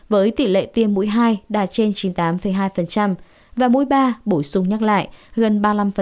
với tỷ lệ tiêm mũi hai đạt trên chín mươi tám hai và mũi ba bổ sung nhắc lại gần ba mươi năm